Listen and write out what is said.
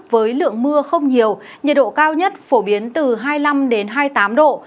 với lượng mưa không nhiều nhiệt độ cao nhất phổ biến từ hai mươi năm hai mươi tám độ